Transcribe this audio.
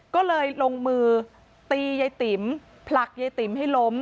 ก็เลยลงมือตียายติ๋มผลักยายติ๋มให้ล้ม